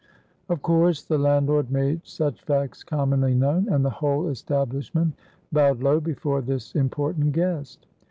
Of course the landlord made such facts commonly known, and the whole establishment bowed low before this important guest.